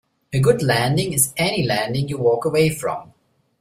A good landing is any landing you walk away from.